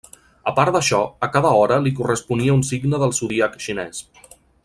A part d'això, a cada hora li corresponia un signe del zodíac xinès.